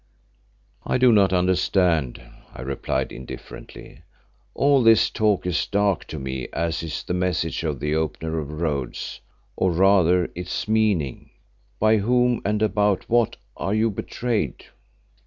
"I do not understand," I replied indifferently. "All this talk is dark to me, as is the message of the Opener of Roads, or rather its meaning. By whom and about what are you betrayed?"